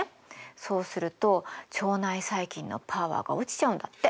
そうすると腸内細菌のパワーが落ちちゃうんだって。